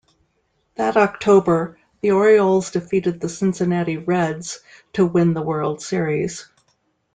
That October, the Orioles defeated the Cincinnati Reds to win the World Series.